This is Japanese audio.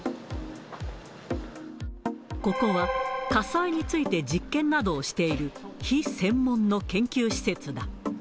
ここは火災について実験などをしている火専門の研究施設だ。